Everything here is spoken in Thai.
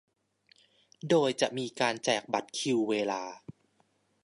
โดยจะมีการแจกบัตรคิวเวลา